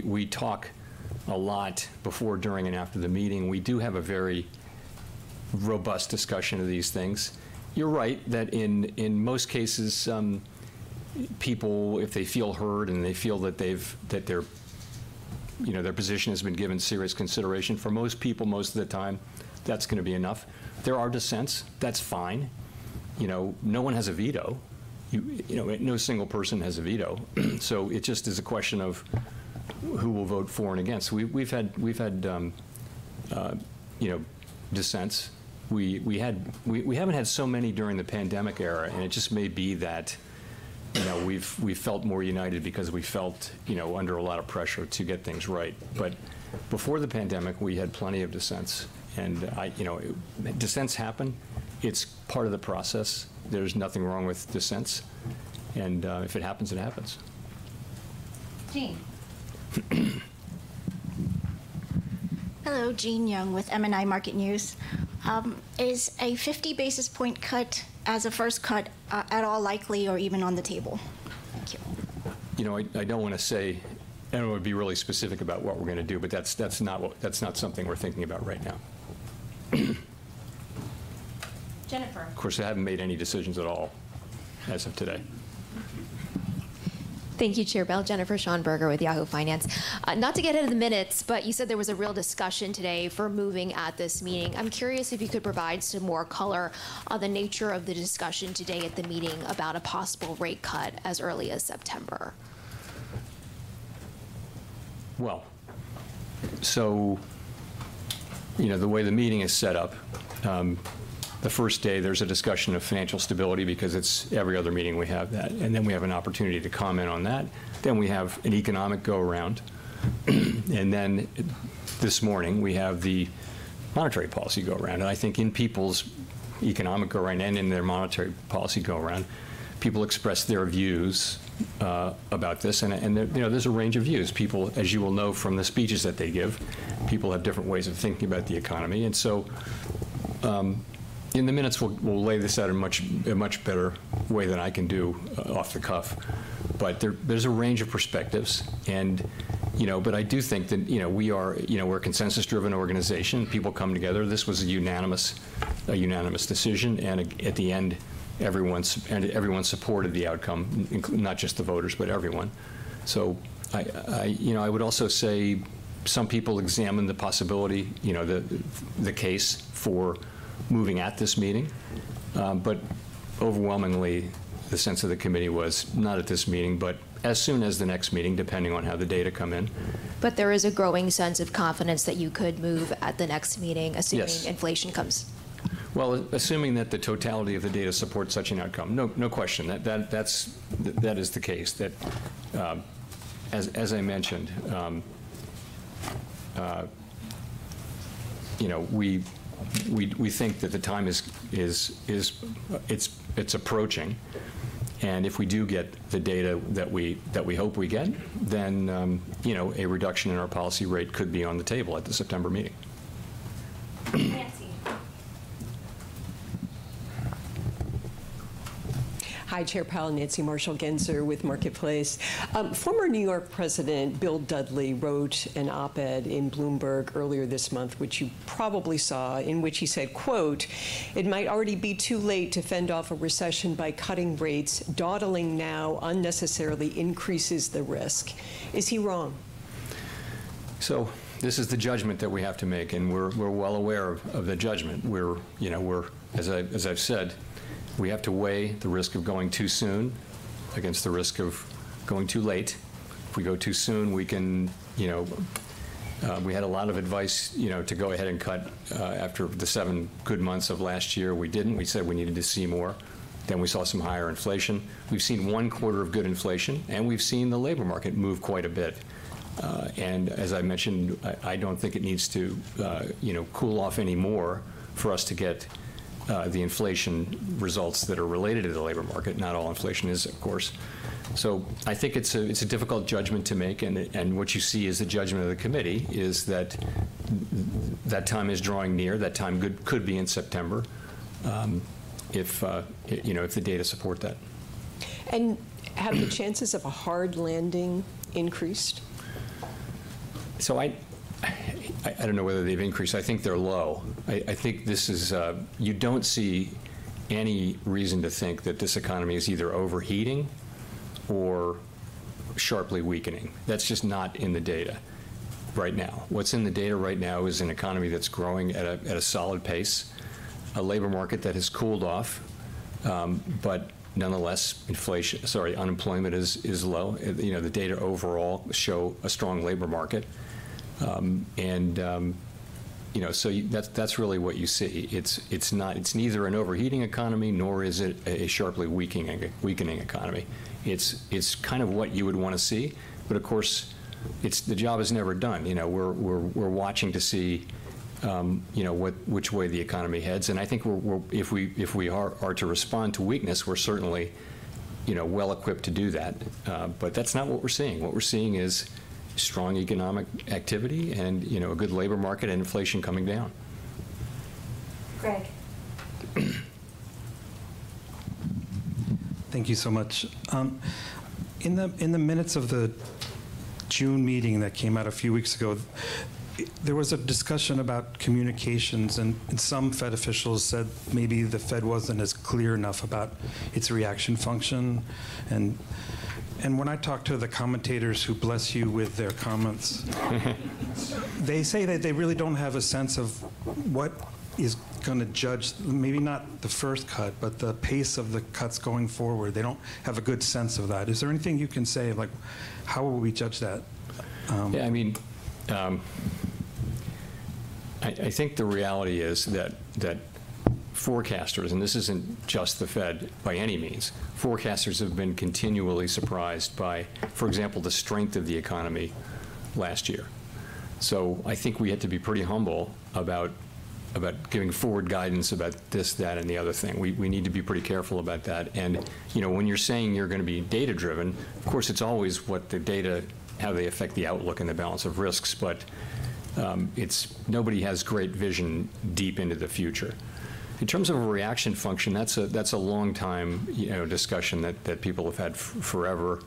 We talk a lot before, during, and after the meeting. We do have a very robust discussion of these things. You're right, that in most cases, people, if they feel heard, and they feel that they've, that their position has been given serious consideration, for most people, most of the time, that's gonna be enough. There are dissents. That's fine. No one has a veto. No single person has a veto. It just is a question of who will vote for and against. We've had dissents. We haven't had so many during the pandemic era, and it just may be that we've felt more united because we felt nder a lot of pressure to get things right. But before the pandemic, we had plenty of dissents happen. It's part of the process. There's nothing wrong with dissents, and if it happens, it happens. Jean. Hello, Jean Yung with MNI Market News. Is a 50 basis point cut as a first cut, at all likely or even on the table? Thank you. I don't wanna say, I don't wanna be really specific about what we're gonna do, but that's not something we're thinking about right now. Jennifer. Of course, I haven't made any decisions at all as of today. Thank you, Chair Powell. Jennifer Schonberger with Yahoo Finance. Not to get into the minutes, but you said there was a real discussion today for moving at this meeting. I'm curious if you could provide some more color on the nature of the discussion today at the meeting about a possible rate cut as early as September? The way the meeting is set up, the first day, there's a discussion of financial stability because it's every other meeting we have that, and then we have an opportunity to comment on that. Then we have an economic go-around. And then this morning, we have the monetary policy go-around. In people's economic go-around and in their monetary policy go-around, people express their views about this, and there's a range of views. People, as you well know from the speeches that they give, people have different ways of thinking about the economy. And so, in the minutes, we'll lay this out in a much better way than I can do off the cuff. But there's a range of perspectives, and, but I do think that, we're a consensus-driven organization. People come together. This was a unanimous decision, and at the end, everyone supported the outcome, not just the voters, but everyone. I would also say some people examined the possibility, the case for moving at this meeting. But overwhelmingly, the sense of the Committee was not at this meeting, but as soon as the next meeting, depending on how the data come in. There is a growing sense of confidence that you could move at the next meeting assuming inflation comes? Assuming that the totality of the data supports such an outcome. No question. That is the case. That, as I mentioned, we think that the time is approaching, and if we do get the data that we hope we get a reduction in our policy rate could be on the table at the September meeting. Nancy. Hi, Chair Powell, Nancy Marshall-Genzer with Marketplace. Former New York President Bill Dudley wrote an op-ed in Bloomberg earlier this month, which you probably saw, in which he said, quote: "It might already be too late to fend off a recession by cutting rates. Dawdling now unnecessarily increases the risk." Is he wrong? This is the judgment that we have to make, and we're well aware of the judgment. As I've said, we have to weigh the risk of going too soon against the risk of going too late. If we go too soon, we had a lot of advice to go ahead and cut after the seven good months of last year. We didn't. We said we needed to see more. Then we saw some higher inflation. We've seen one quarter of good inflation, and we've seen the labor market move quite a bit. And as I mentioned, I don't think it needs to cool off any more for us to get the inflation results that are related to the labor market. Not all inflation is, of course. It's a difficult judgment to make, and what you see is the judgment of the Committee, is that that time is drawing near. That time could be in September, if the data support that. Have the chances of a hard landing increased? Whether they've increased. They're low. You don't see any reason to think that this economy is either overheating or sharply weakening. That's just not in the data right now. What's in the data right now is an economy that's growing at a solid pace, a labor market that has cooled off, but nonetheless, inflation—sorry, unemployment is low. The data overall show a strong labor market. That's really what you see. It's not—It's neither an overheating economy, nor is it a sharply weakening economy. It's kind of what you would wanna see, but of course, it's—the job is never done. We're watching to see which way the economy heads, and if we are to respond to weakness, we're certainly, well-equipped to do that. But that's not what we're seeing. What we're seeing is strong economic activity and a good labor market and inflation coming down. Greg. Thank you so much. In the minutes of the June meeting that came out a few weeks ago, there was a discussion about communications, and some Fed officials said maybe the Fed wasn't as clear enough about its reaction function. When I talked to the commentators who bless you with their comments, they say that they really don't have a sense of what is gonna judge, maybe not the first cut, but the pace of the cuts going forward. They don't have a good sense of that. Is there anything you can say, like, how will we judge that? The reality is that forecasters, and this isn't just the Fed by any means, forecasters have been continually surprised by, for example, the strength of the economy last year. We have to be pretty humble about giving forward guidance about this, that, and the other thing. We need to be pretty careful about that. When you're saying you're gonna be data-driven, of course, it's always what the data, how they affect the outlook and the balance of risks. Nobody has great vision deep into the future. In terms of a reaction function, that's a long time discussion that people have had forever.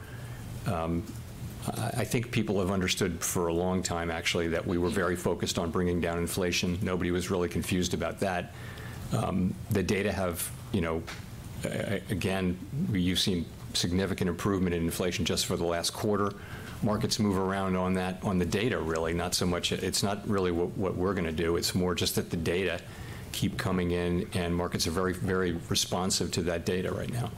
People have understood for a long time, actually, that we were very focused on bringing down inflation. Nobody was really confused about that. The data have again, you've seen significant improvement in inflation just for the last quarter. Markets move around on that, on the data, really, not so much. It's not really what we're gonna do. It's more just that the data keep coming in, and markets are very, very responsive to that data right now.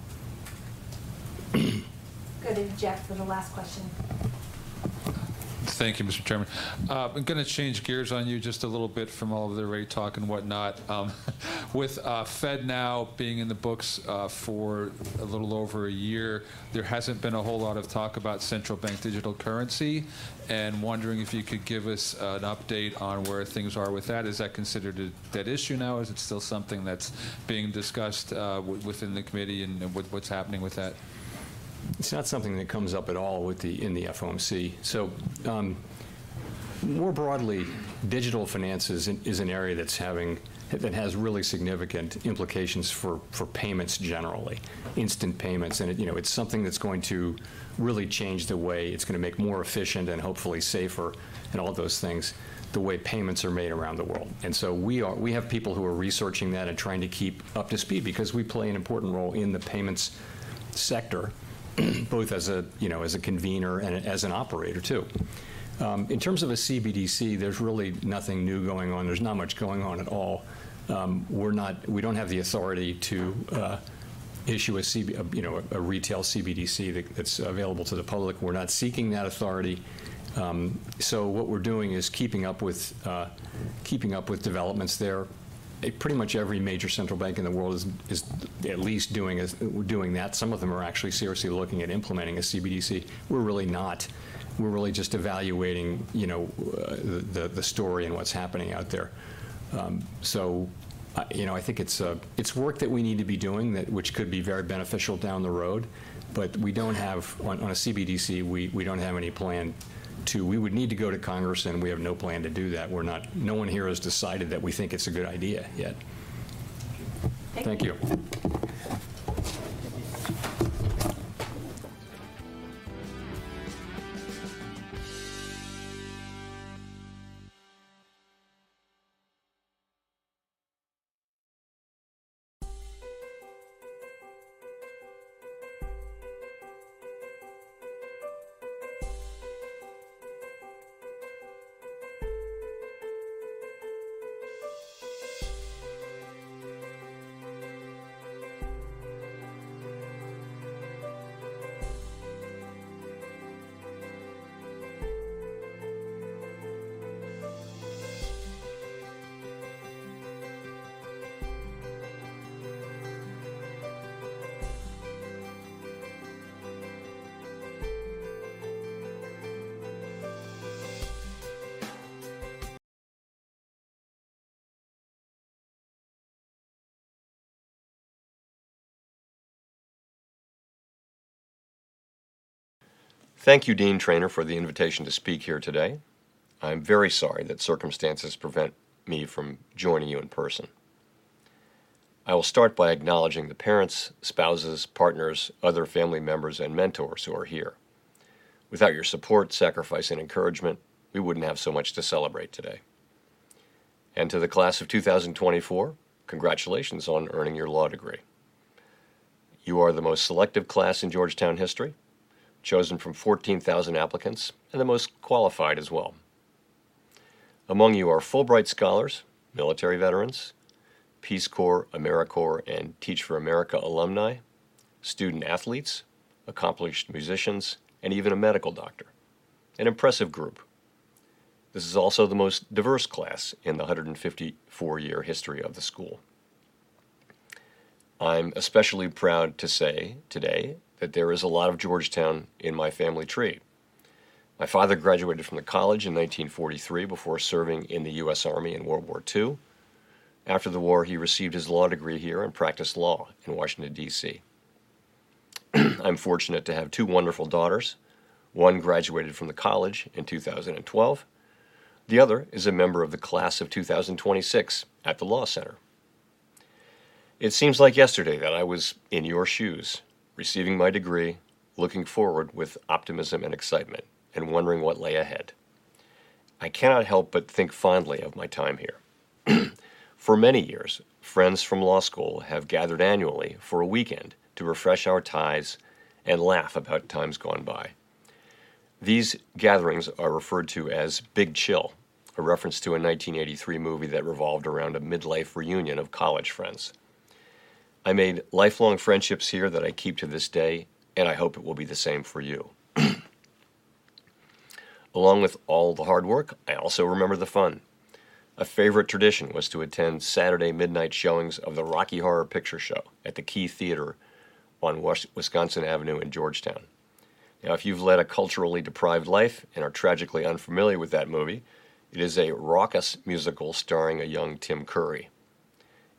Go to Jeff for the last question. Thank you, Mr. Chairman. I'm gonna change gears on you just a little bit from all of the rate talk and whatnot. With FedNow being in the books for a little over a year, there hasn't been a whole lot of talk about Central Bank Digital Currency, and wondering if you could give us an update on where things are with that. Is that considered a dead issue now, or is it still something that's being discussed within the Committee, and what, what's happening with that? It's not something that comes up at all with the, in the FOMC. More broadly, digital finances is an area that has really significant implications for payments generally, instant payments. It's something that's going to really change the way.. t's gonna make more efficient and hopefully safer and all of those things, the way payments are made around the world. And so we have people who are researching that and trying to keep up to speed because we play an important role in the payments sector, both as a convener and as an operator, too. In terms of a CBDC, there's really nothing new going on. There's not much going on at all. We're not. We don't have the authority to issue a CB, a retail CBDC that's available to the public. We're not seeking that authority. So what we're doing is keeping up with developments there. Pretty much every major central bank in the world is at least doing that. Some of them are actually seriously looking at implementing a CBDC. We're really not. We're really just evaluating, the story and what's happening out there. I's work that we need to be doing, which could be very beneficial down the road, but we don't have. On a CBDC, we don't have any plan to. We would need to go to Congress, and we have no plan to do that. No one here has decided that we think it's a good idea yet. Thank you. Thank you, Dean Treanor, for the invitation to speak here today. I'm very sorry that circumstances prevent me from joining you in person. I will start by acknowledging the parents, spouses, partners, other family members, and mentors who are here. Without your support, sacrifice, and encouragement, we wouldn't have so much to celebrate today. To the class of 2024, congratulations on earning your law degree. You are the most selective class in Georgetown history, chosen from 14,000 applicants, and the most qualified as well. Among you are Fulbright Scholars, military veterans, Peace Corps, AmeriCorps, and Teach for America alumni, student athletes, accomplished musicians, and even a medical doctor. An impressive group. This is also the most diverse class in the 154-year history of the school. I'm especially proud to say today that there is a lot of Georgetown in my family tree. My father graduated from the college in 1943 before serving in the U.S. Army in World War II. After the war, he received his law degree here and practiced law in Washington, D.C. I'm fortunate to have two wonderful daughters. One graduated from the college in 2012. The other is a member of the class of 2026 at the Law Center. It seems like yesterday that I was in your shoes, receiving my degree, looking forward with optimism and excitement, and wondering what lay ahead. I cannot help but think fondly of my time here. For many years, friends from law school have gathered annually for a weekend to refresh our ties and laugh about times gone by. These gatherings are referred to as Big Chill, a reference to a 1983 movie that revolved around a midlife reunion of college friends. I made lifelong friendships here that I keep to this day, and I hope it will be the same for you. Along with all the hard work, I also remember the fun. A favorite tradition was to attend Saturday midnight showings of The Rocky Horror Picture Show at the Key Theater on Wisconsin Avenue in Georgetown. Now, if you've led a culturally deprived life and are tragically unfamiliar with that movie, it is a raucous musical starring a young Tim Curry.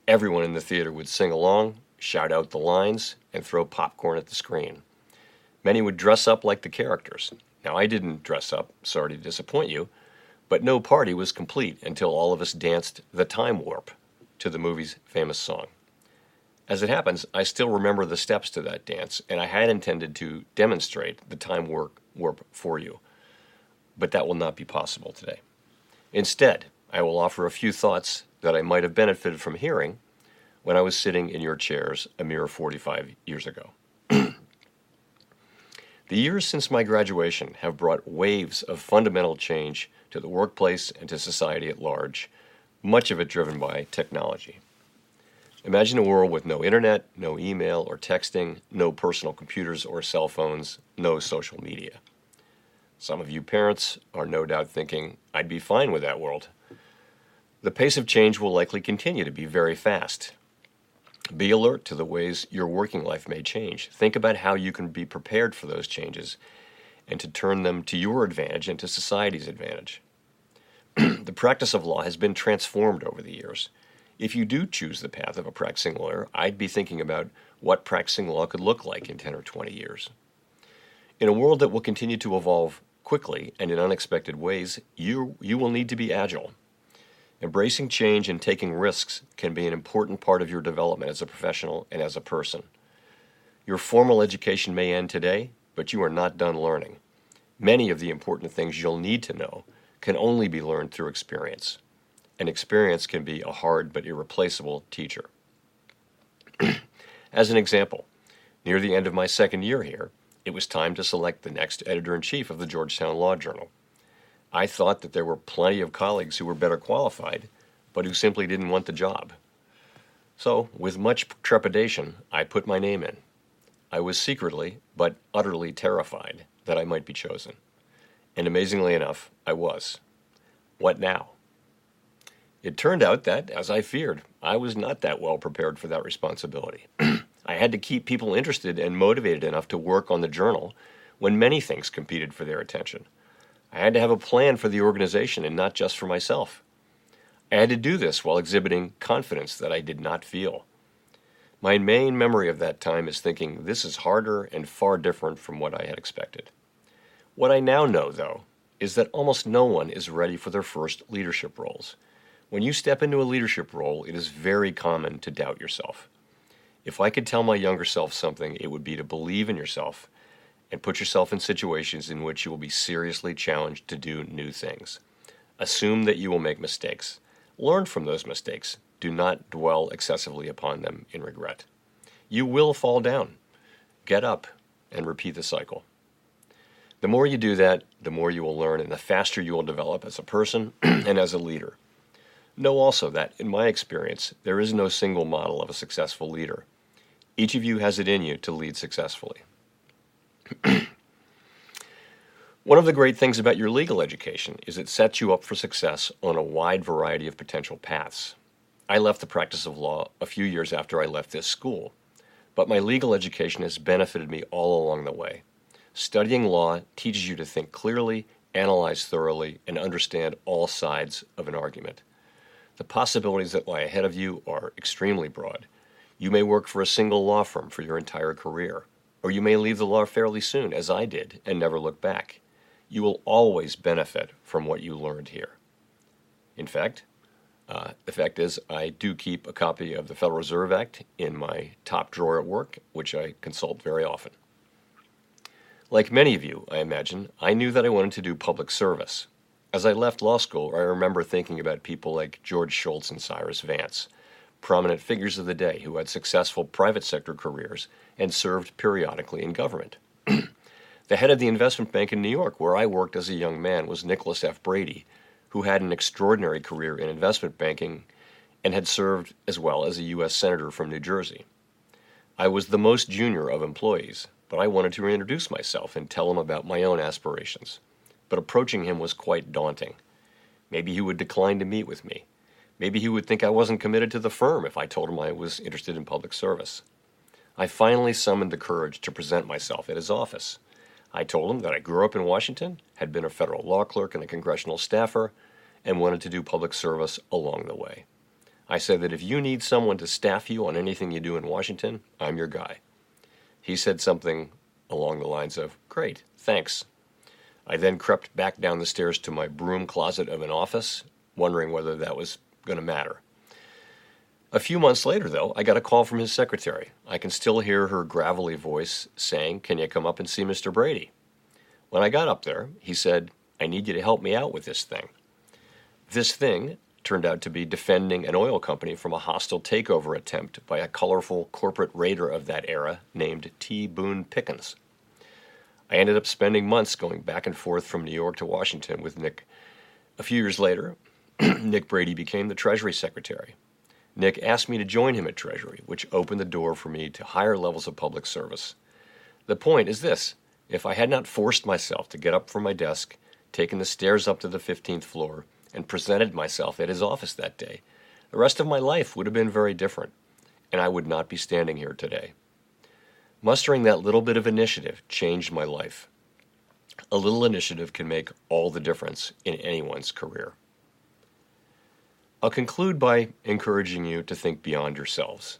Everyone in the theater would sing along, shout out the lines, and throw popcorn at the screen. Many would dress up like the characters. Now, I didn't dress up, sorry to disappoint you, but no party was complete until all of us danced The Time Warp to the movie's famous song. As it happens, I still remember the steps to that dance, and I had intended to demonstrate The Time Warp for you, but that will not be possible today. Instead, I will offer a few thoughts that I might have benefited from hearing when I was sitting in your chairs a mere 45 years ago. The years since my graduation have brought waves of fundamental change to the workplace and to society at large, much of it driven by technology. Imagine a world with no internet, no email or texting, no personal computers or cell phones, no social media. Some of you parents are no doubt thinking, "I'd be fine with that world." The pace of change will likely continue to be very fast. Be alert to the ways your working life may change. Think about how you can be prepared for those changes and to turn them to your advantage and to society's advantage. The practice of law has been transformed over the years. If you do choose the path of a practicing lawyer, I'd be thinking about what practicing law could look like in 10 or 20 years. In a world that will continue to evolve quickly and in unexpected ways, you, you will need to be agile. Embracing change and taking risks can be an important part of your development as a professional and as a person. Your formal education may end today, but you are not done learning. Many of the important things you'll need to know can only be learned through experience, and experience can be a hard but irreplaceable teacher. As an example, near the end of my second year here, it was time to select the next editor-in-chief of the Georgetown Law Journal. I thought that there were plenty of colleagues who were better qualified, but who simply didn't want the job. So with much trepidation, I put my name in. I was secretly but utterly terrified that I might be chosen, and amazingly enough, I was. What now? It turned out that, as I feared, I was not that well prepared for that responsibility. I had to keep people interested and motivated enough to work on the journal when many things competed for their attention. I had to have a plan for the organization and not just for myself. I had to do this while exhibiting confidence that I did not feel. My main memory of that time is thinking, "This is harder and far different from what I had expected." What I now know, though, is that almost no one is ready for their first leadership roles. When you step into a leadership role, it is very common to doubt yourself. If I could tell my younger self something, it would be to believe in yourself and put yourself in situations in which you will be seriously challenged to do new things. Assume that you will make mistakes. Learn from those mistakes. Do not dwell excessively upon them in regret. You will fall down, get up, and repeat the cycle. The more you do that, the more you will learn and the faster you will develop as a person and as a leader. Know also that in my experience, there is no single model of a successful leader. Each of you has it in you to lead successfully. One of the great things about your legal education is it sets you up for success on a wide variety of potential paths. I left the practice of law a few years after I left this school, but my legal education has benefited me all along the way. Studying law teaches you to think clearly, analyze thoroughly, and understand all sides of an argument. The possibilities that lie ahead of you are extremely broad. You may work for a single law firm for your entire career, or you may leave the law fairly soon, as I did, and never look back. You will always benefit from what you learned here. In fact, the fact is I do keep a copy of the Federal Reserve Act in my top drawer at work, which I consult very often. Like many of you, I imagine, I knew that I wanted to do public service. As I left law school, I remember thinking about people like George Shultz and Cyrus Vance, prominent figures of the day who had successful private sector careers and served periodically in government. The head of the investment bank in New York, where I worked as a young man, was Nicholas F. Brady, who had an extraordinary career in investment banking and had served as well as a U.S. senator from New Jersey... I was the most junior of employees, but I wanted to reintroduce myself and tell him about my own aspirations. Approaching him was quite daunting. Maybe he would decline to meet with me. Maybe he would think I wasn't committed to the firm if I told him I was interested in public service. I finally summoned the courage to present myself at his office. I told him that I grew up in Washington, had been a federal law clerk and a congressional staffer, and wanted to do public service along the way. I said that, "If you need someone to staff you on anything you do in Washington, I'm your guy." He said something along the lines of, "Great, thanks." I then crept back down the stairs to my broom closet of an office, wondering whether that was gonna matter. A few months later, though, I got a call from his secretary. I can still hear her gravelly voice saying, "Can you come up and see Mr. Brady?" When I got up there, he said, "I need you to help me out with this thing." This thing turned out to be defending an oil company from a hostile takeover attempt by a colorful corporate raider of that era named T. Boone Pickens. I ended up spending months going back and forth from New York to Washington with Nick. A few years later, Nick Brady became the Treasury Secretary. Nick asked me to join him at Treasury, which opened the door for me to higher levels of public service. The point is this: if I had not forced myself to get up from my desk, taken the stairs up to the fifteenth floor, and presented myself at his office that day, the rest of my life would have been very different, and I would not be standing here today. Mustering that little bit of initiative changed my life. A little initiative can make all the difference in anyone's career. I'll conclude by encouraging you to think beyond yourselves.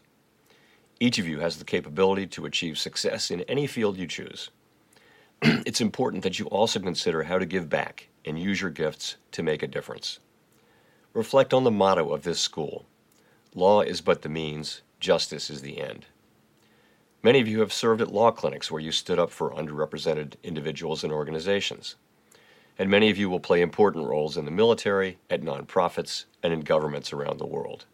Each of you has the capability to achieve success in any field you choose. It's important that you also consider how to give back and use your gifts to make a difference. Reflect on the motto of this school: "Law is but the means, justice is the end." Many of you have served at law clinics, where you stood up for underrepresented individuals and organizations, and many of you will play important roles in the military, at nonprofits, and in governments around the world.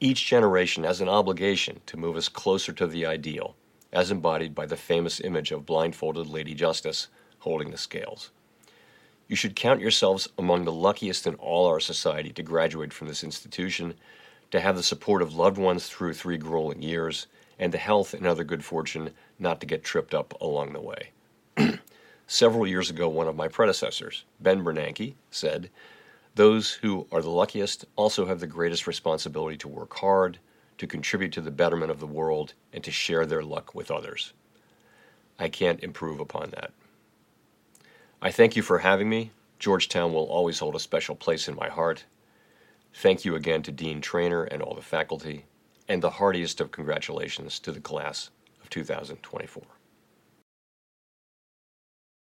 Each generation has an obligation to move us closer to the ideal, as embodied by the famous image of blindfolded Lady Justice holding the scales. You should count yourselves among the luckiest in all our society to graduate from this institution, to have the support of loved ones through three grueling years, and the health and other good fortune not to get tripped up along the way. Several years ago, one of my predecessors, Ben Bernanke, said, "Those who are the luckiest also have the greatest responsibility to work hard, to contribute to the betterment of the world, and to share their luck with others." I can't improve upon that. I thank you for having me. Georgetown will always hold a special place in my heart. Thank you again to Dean Treanor and all the faculty, and the heartiest of congratulations to the Class of 2024.